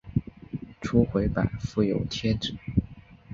初回版附有贴纸。